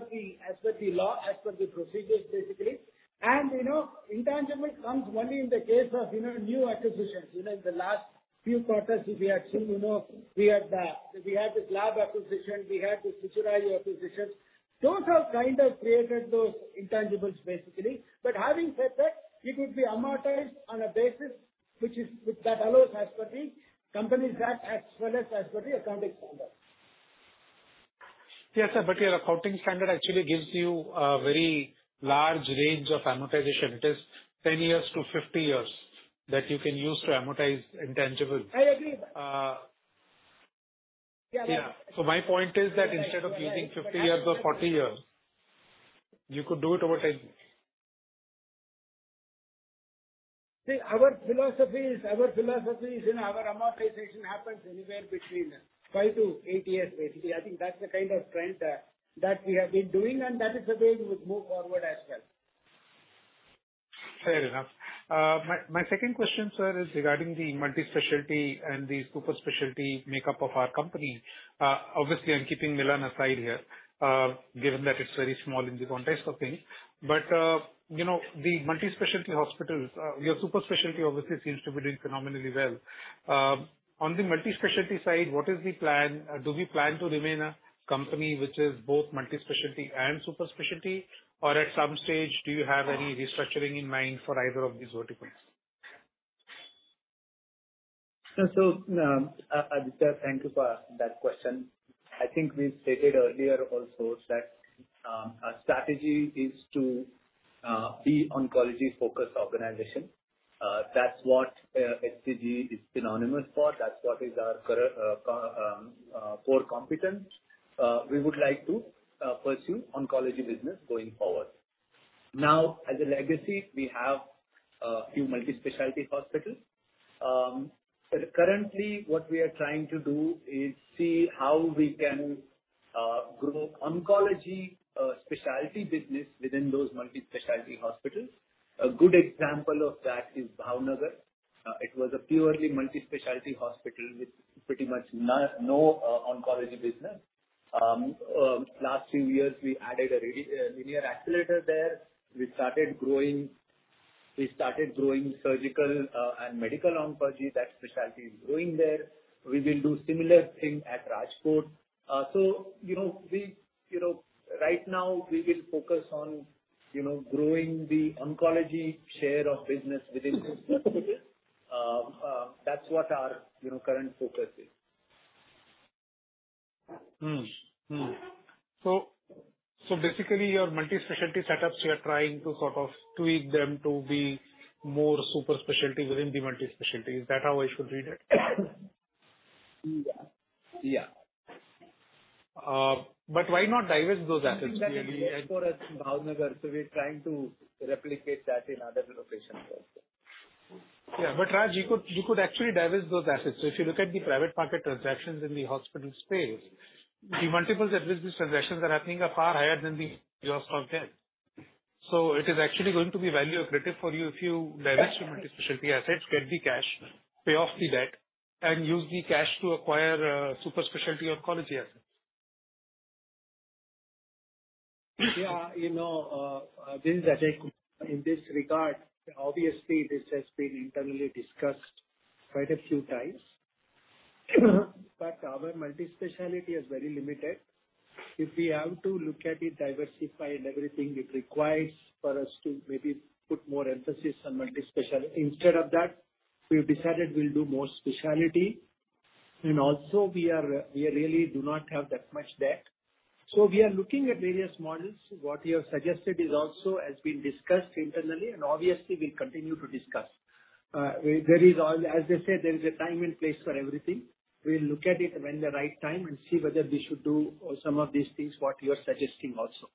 the law, as per the procedures, basically. Intangible comes only in the case of, you know, new acquisitions. You know, in the last few quarters we have seen, you know, we had this lab acquisition, we had the Suchirayu acquisitions. Those have kind of created those intangibles basically. Having said that, it would be amortized on a basis which that allows as per the company's VAT as well as per the accounting standard. Yes, sir, your accounting standard actually gives you a very large range of amortization. It is 10-50 years that you can use to amortize intangibles. I agree. Yeah. My point is that instead of using 50 years or 40 years, you could do it over 10. See, our philosophy is, you know, our amortization happens anywhere between 5-8 years basically. I think that's the kind of trend that we have been doing and that is the way we would move forward as well. Fair enough. My second question, sir, is regarding the multi-specialty and the super specialty makeup of our company. Obviously I'm keeping Milann aside here, given that it's very small in the context of things. You know, the multi-specialty hospitals, your super specialty obviously seems to be doing phenomenally well. On the multi-specialty side, what is the plan? Do we plan to remain a company which is both multi-specialty and super specialty? Or at some stage do you have any restructuring in mind for either of these verticals? Aditya, thank you for that question. I think we stated earlier also that our strategy is to be oncology-focused organization. That's what HCG is synonymous for. That's what is our core competence. We would like to pursue oncology business going forward. Now, as a legacy, we have a few multi-specialty hospitals. Currently what we are trying to do is see how we can grow oncology specialty business within those multi-specialty hospitals. A good example of that is Bhavnagar. It was a purely multi-specialty hospital with pretty much no oncology business. Last few years we added a linear accelerator there. We started growing surgical and medical oncology. That specialty is growing there. We will do similar thing at Rajkot. You know we You know right now we will focus on, you know, growing the oncology share of business within this hospital. That's what our, you know, current focus is. Basically your multi-specialty setups you are trying to sort of tweak them to be more super specialty within the multi-specialty. Is that how I should read it? Yeah. Yeah. Why not divest those assets really? That is worked for us in Bhavnagar, so we're trying to replicate that in other locations also. Yeah. Raj, you could, you could actually divest those assets. If you look at the private market transactions in the hospital space, the multiples at which these transactions are happening are far higher than the cost of debt. It is actually going to be value accretive for you if you divest your multi-specialty assets, get the cash, pay off the debt and use the cash to acquire super specialty oncology assets. Yeah. You know, Vinzajay in this regard, obviously this has been internally discussed quite a few times. Our multi-specialty is very limited. If we have to look at it diversify and everything it requires for us to maybe put more emphasis on multi-specialty. Instead of that, we've decided we'll do more specialty. We really do not have that much debt. We are looking at various models. What you have suggested is also has been discussed internally and obviously we'll continue to discuss. As I said, there is a time and place for everything. We'll look at it when the right time and see whether we should do some of these things, what you are suggesting also.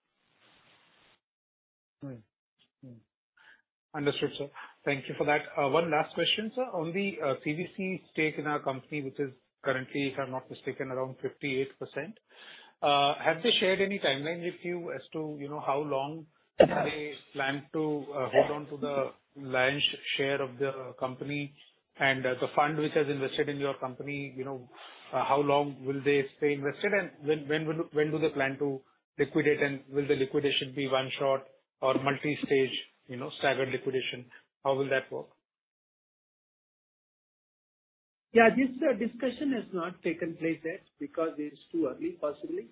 Understood, sir. Thank you for that. One last question, sir. On the CVC stake in our company, which is currently, if I'm not mistaken, around 58%. Have they shared any timeline with you as to, you know, how long they plan to hold on to the large share of the company and the fund which has invested in your company, you know, how long will they stay invested and when do they plan to liquidate and will the liquidation be one shot or multi-stage, you know, staggered liquidation? How will that work? Yeah, this discussion has not taken place yet because it's too early, possibly.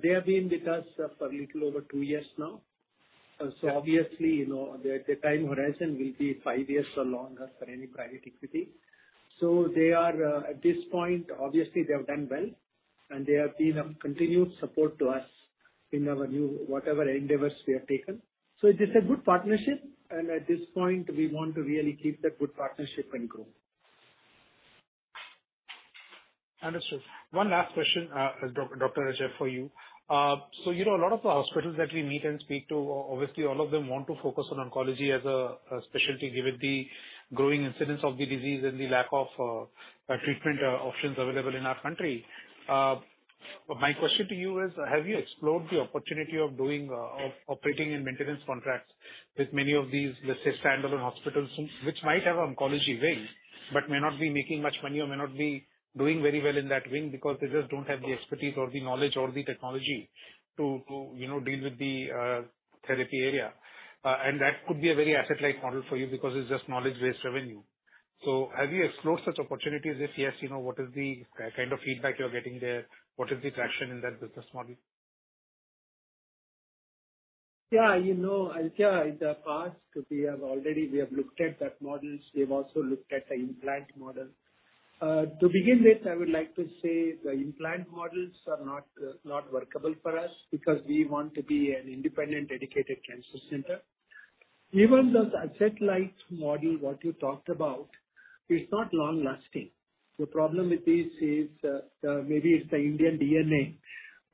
They have been with us for a little over two years now. Obviously, you know, the time horizon will be five years or longer for any private equity. They are at this point, obviously they have done well, and they have been a continued support to us in our new whatever endeavors we have taken. It is a good partnership, and at this point we want to really keep that good partnership and grow. Understood. One last question, Dr. Ajaikumar for you. So you know, a lot of the hospitals that we meet and speak to, obviously all of them want to focus on oncology as a specialty, given the growing incidence of the disease and the lack of treatment options available in our country. My question to you is, have you explored the opportunity of doing operating and maintenance contracts with many of these, let's say, standalone hospitals which might have oncology wing, but may not be making much money or may not be doing very well in that wing because they just don't have the expertise or the knowledge or the technology to you know deal with the therapy area. That could be a very asset-light model for you because it's just knowledge-based revenue. Have you explored such opportunities? If yes, you know, what is the kind of feedback you're getting there? What is the traction in that business model? Yeah, you know, Aditya, in the past we have already looked at that models. We have also looked at the implant model. To begin with, I would like to say the implant models are not workable for us because we want to be an independent, dedicated cancer center. Even the asset-light model, what you talked about, is not long-lasting. The problem with this is, maybe it's the Indian DNA,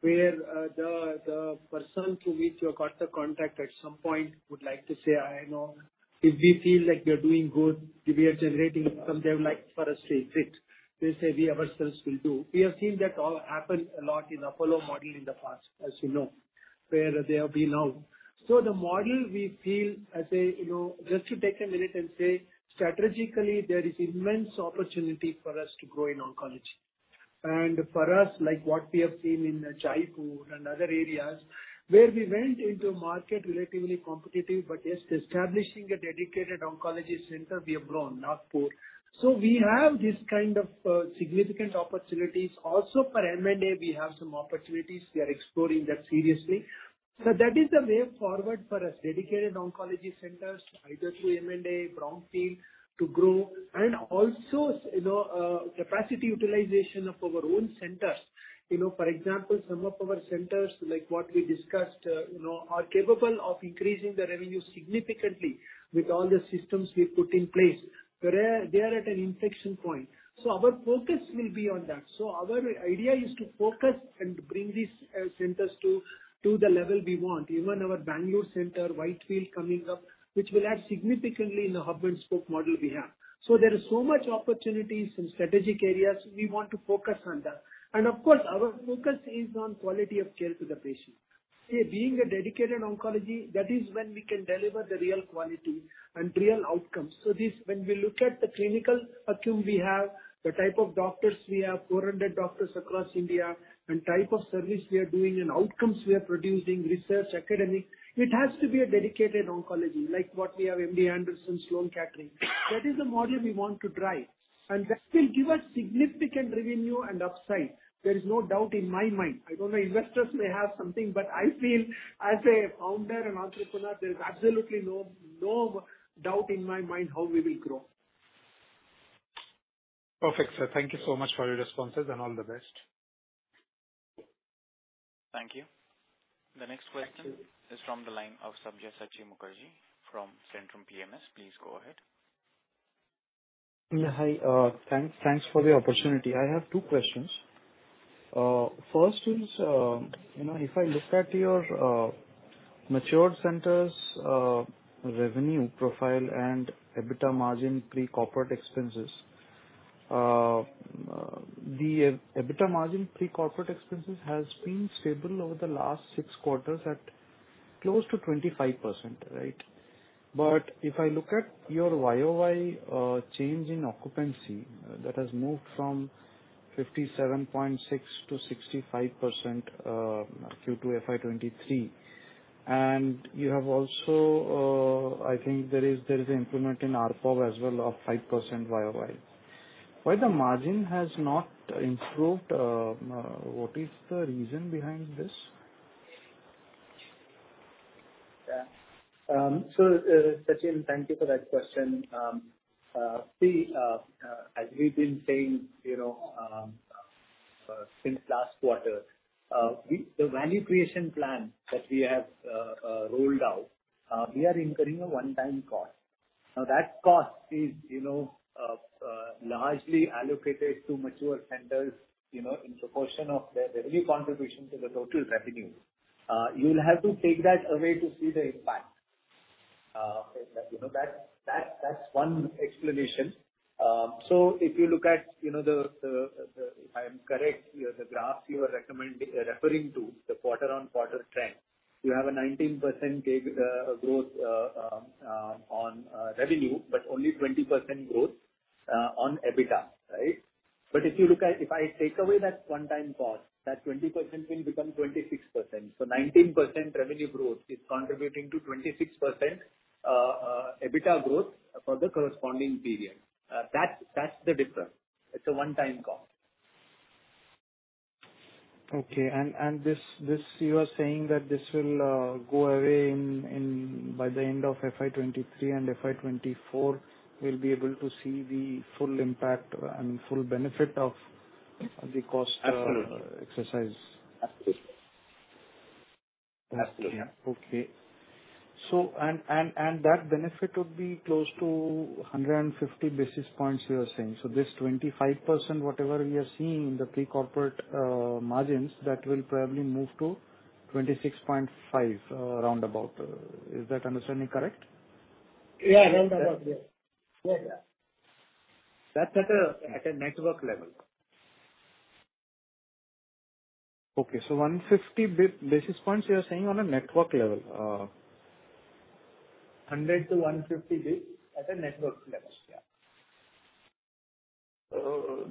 where the person to whom you have got the contract at some point would like to say, "I know if we feel like we are doing good, we are generating some Why the margin has not improved, what is the reason behind this? Yeah. Sachin, thank you for that question. See, as we've been saying, you know, since last quarter, the value creation plan that we have rolled out, we are incurring a one-time cost. Now, that cost is, you know, largely allocated to mature centers, you know, in proportion of their revenue contribution to the total revenue. You'll have to take that away to see the impact. You know, that's one explanation. If you look at, you know, if I'm correct, you know, the graphs you are referring to, the quarter-on-quarter trend, you have a 19% growth on revenue, but only 20% growth on EBITDA, right? If you look at, if I take away that one-time cost, that 20% will become 26%. 19% revenue growth is contributing to 26% EBITDA growth for the corresponding period. That's the difference. It's a one-time cost. Okay. You are saying that this will go away and by the end of FY 2023 and FY 2024. We'll be able to see the full impact and full benefit of the cost. Absolutely. exercise. Absolutely. Absolutely. Yeah. Okay. That benefit would be close to 150 basis points you are saying. This 25%, whatever we are seeing in the pre-corporate margins, that will probably move to 26.5%, round about. Is that understanding correct? Yeah. Round about. Yeah. That's at a network level. Okay. 150 basis points you are saying on a network level. 100 basis points-150 basis points at a network level.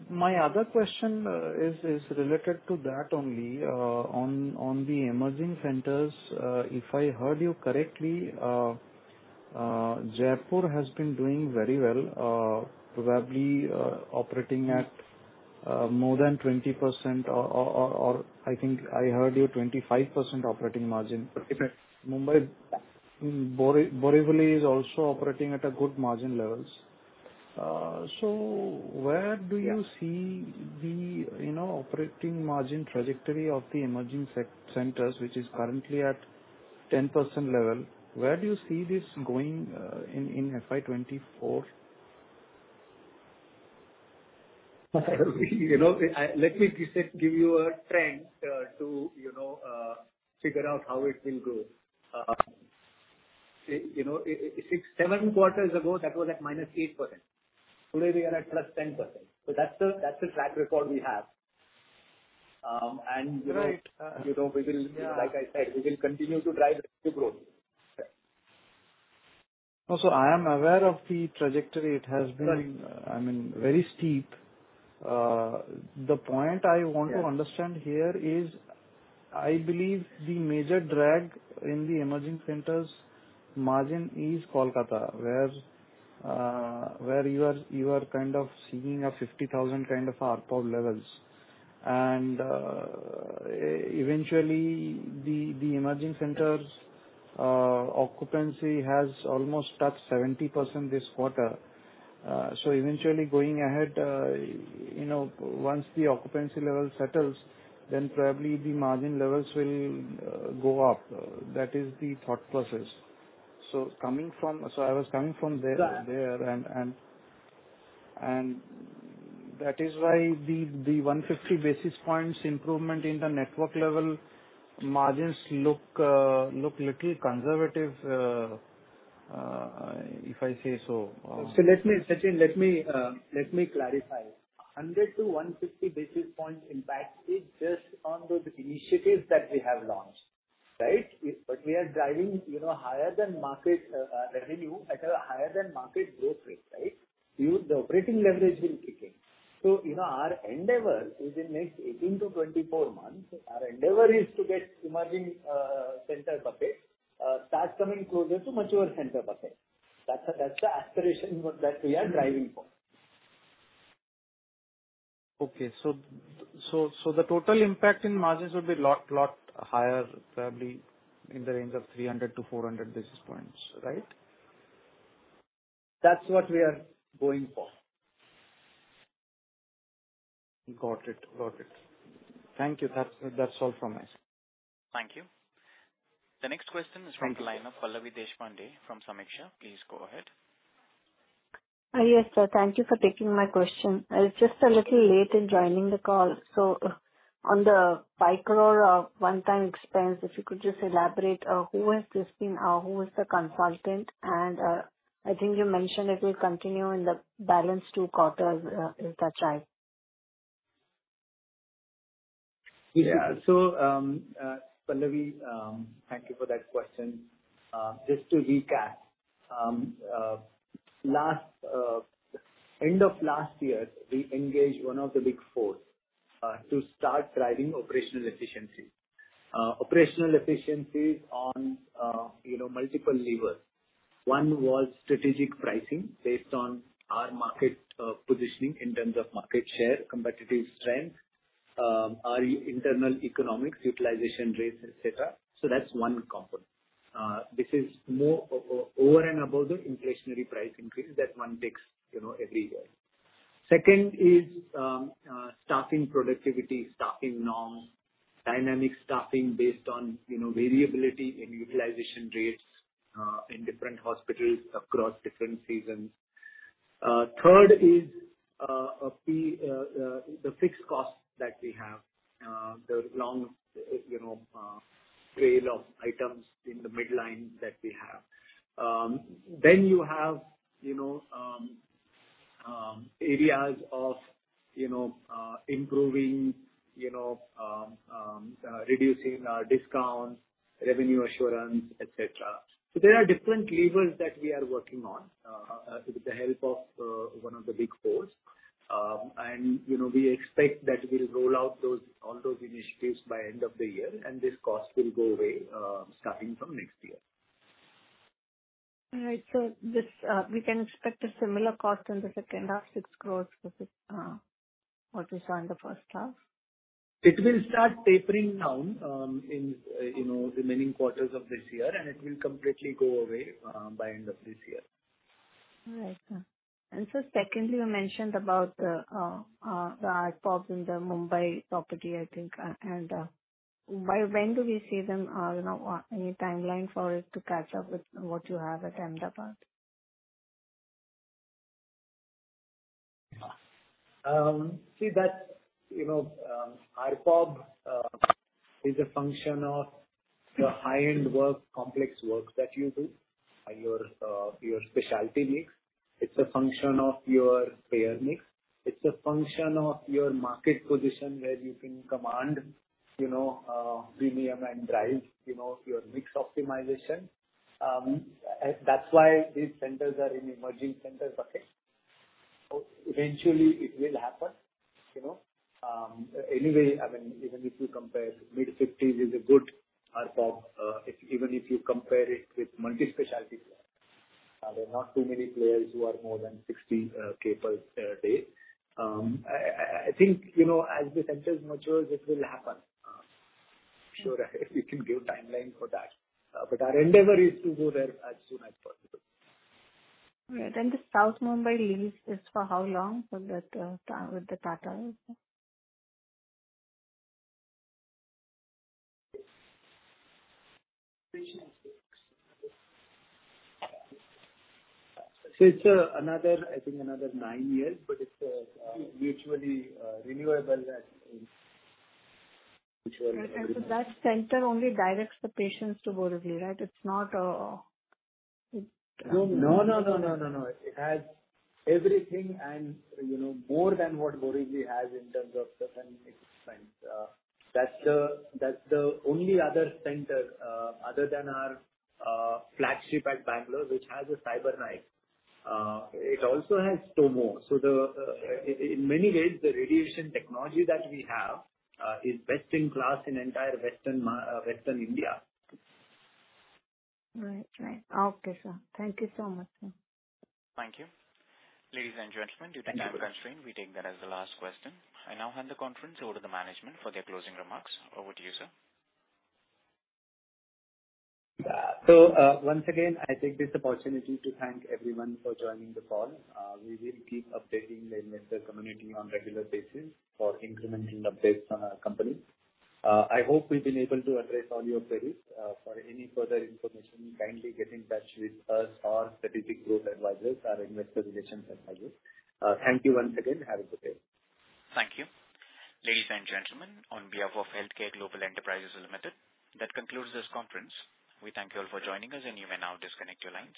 Yeah. My other question is related to that only. On the emerging centers, if I heard you correctly, Jaipur has been doing very well, probably operating at more than 20% or I think I heard you at 25% operating margin. Correct. Mumbai Borivali is also operating at a good margin levels. Where do you see the, you know, operating margin trajectory of the emerging secondary centers, which is currently at 10% level, where do you see this going in FY 2024? You know, let me give you a trend to you know figure out how it will grow. You know, six quarters-seven quarters ago, that was at -8%. Today we are at +10%. That's the track record we have. Right. You know. Yeah. Like I said, we will continue to drive revenue growth. Yeah. No. I am aware of the trajectory. It has been. Right. I mean, very steep. The point I want to understand here is I believe the major drag in the emerging centers margin is Kolkata, where you are kind of seeing a 50,000 kind of ARPOB levels. Eventually the emerging centers occupancy has almost touched 70% this quarter. Eventually going ahead, you know, once the occupancy level settles, then probably the margin levels will go up. That is the thought process. I was coming from there. Yeah. That is why the 150 basis points improvement in the network level margins look a little conservative, if I say so. Sachin, let me clarify. 100 basis points-150 basis points impact is just on the initiatives that we have launched, right? We are driving, you know, higher than market revenue at a higher than market growth rate, right? The operating leverage will kick in. You know, our endeavor is in next 18 months-24 months to get emerging center profit start coming closer to mature center profit. That's the aspiration that we are driving for. The total impact in margins would be lot higher, probably in the range of 300 basis points-400 basis points, right? That's what we are going for. Got it. Thank you. That's all from my side. Thank you. The next question is from the line of Pallavi Deshpande from Sameeksha. Please go ahead. Yes, sir. Thank you for taking my question. I was just a little late in joining the call. On the 5 crore one-time expense, if you could just elaborate who is the consultant? I think you mentioned it will continue in the balance two quarters, is that right? Yeah. Pallavi, thank you for that question. Just to recap, end of last year, we engaged one of the Big Four to start driving operational efficiency. Operational efficiencies on, you know, multiple levers. One was strategic pricing based on our market positioning in terms of market share, competitive strength, our internal economics, utilization rates, etc. That's one component. This is more over and above the inflationary price increases that one takes, you know, every year. Second is, staffing productivity, staffing norms, dynamic staffing based on, you know, variability in utilization rates, in different hospitals across different seasons. Third is, the fixed costs that we have, the long tail of items in the P&L that we have. You have, you know, areas of, you know, improving, you know, reducing our discounts, revenue assurance, etc. There are different levers that we are working on with the help of one of the Big Four. You know, we expect that we'll roll out all those initiatives by end of the year and this cost will go away starting from next year. All right, sir. This, we can expect a similar cost in the second half, 6 crores with, what we saw in the first half? It will start tapering down in, you know, remaining quarters of this year, and it will completely go away by end of this year. All right, sir. Sir, secondly, you mentioned about the ARPOBs in the Mumbai property, I think. By when do we see them, you know, any timeline for it to catch up with what you have at Ahmedabad? See that, you know, ARPOB is a function of the high-end work, complex works that you do. Your specialty mix. It's a function of your payer mix. It's a function of your market position where you can command, you know, premium and drive, you know, your mix optimization. That's why these centers are in emerging centers. Okay. Eventually it will happen, you know. Anyway, I mean, even if you compare 15,000 is a good ARPOB, even if you compare it with multi-specialty, there are not too many players who are more than 60,000 per day. I think, you know, as the centers mature it will happen. Sure we can give timeline for that. Our endeavor is to go there as soon as possible. Right. The South Mumbai lease is for how long for that, with the Tata? It's another, I think, another nine years, but it's mutually renewable at mutually. That center only directs the patients to Borivali, right? It's not... No. It has everything and, you know, more than what Borivali has in terms of certain expense. That's the only other center, other than our flagship at Bangalore, which has a CyberKnife. It also has TomoTherapy. So in many ways, the radiation technology that we have is best in class in entire Western India. Right. Right. Okay, sir. Thank you so much, sir. Thank you. Ladies and gentlemen. Thank you. Due to time constraint, we take that as the last question. I now hand the conference over to the management for their closing remarks. Over to you, sir. Once again, I take this opportunity to thank everyone for joining the call. We will keep updating the investor community on regular basis for incremental updates on our company. I hope we've been able to address all your queries. For any further information, kindly get in touch with us or Strategic Growth Advisors or investor relations advisors. Thank you once again. Have a good day. Thank you. Ladies and gentlemen, on behalf of HealthCare Global Enterprises Limited, that concludes this conference. We thank you all for joining us, and you may now disconnect your lines.